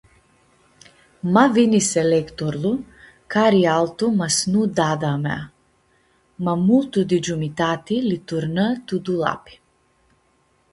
Ma vini selectorlu- cari altu ma s-nu dadã-mea! Ma multu di giumitati li-turnã tu dulapi.